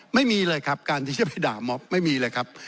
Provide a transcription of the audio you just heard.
ไม่มีเลยครับการที่จะไปด่าม็อบไม่มีเลยครับ